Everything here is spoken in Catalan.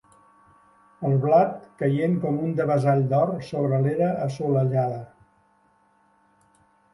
El blat caient com un devessall d'or sobre de l'era assolellada